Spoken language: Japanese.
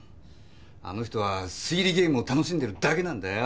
あの人は推理ゲームを楽しんでるだけなんだよ。